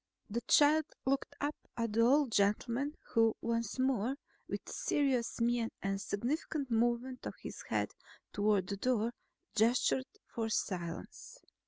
The child looked up at the old gentleman who once more, with serious mien and a significant movement of his head toward the door, gestured for silence.